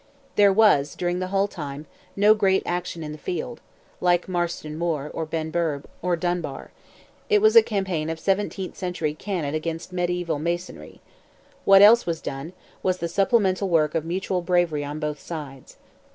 There was, during the whole time, no great action in the field, like Marston Moor, or Benburb, or Dunbar; it was a campaign of seventeenth century cannon against mediaeval masonry; what else was done, was the supplemental work of mutual bravery on both sides.